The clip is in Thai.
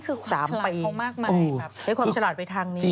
ความฉลาดเขามากมายครับความฉลาดไปทางนี้